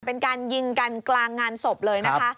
เป็นการยิงกันกลางงานศพเลยนะคะ